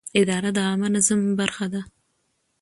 اداره د عامه نظم برخه ده.